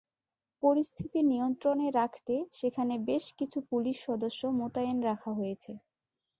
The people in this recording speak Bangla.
পরিস্থিতি নিয়ন্ত্রণে রাখতে সেখানে বেশ কিছু পুলিশ সদস্য মোতায়েন রাখা হয়েছে।